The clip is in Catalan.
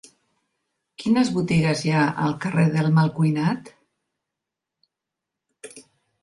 Quines botigues hi ha al carrer del Malcuinat?